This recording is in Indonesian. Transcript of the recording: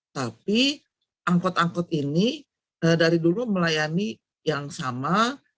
tapi angkot angkot ini dari dulu melayani yang sama